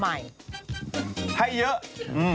เปล่าใส่ใครสดใหม่